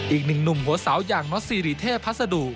อีกหนึ่งหนุ่มหัวสาวอย่างมอสซีริเทพพัสดุ